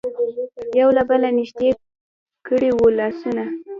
یو له بله نژدې کړي وو لاسونه.